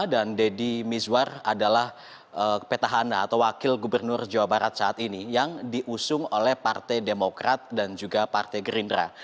dan deddy mizwar adalah petahana atau wakil gubernur jawa barat saat ini yang diusung oleh partai demokrat dan juga partai gerindra